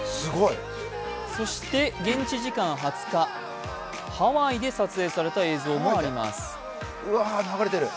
現地時間２０日、ハワイで撮影された映像もあります。